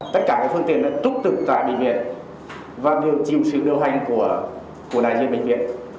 tất cả các phương tiện đã trúc tực tại bệnh viện và đều chịu sự điều hành của đại diện bệnh viện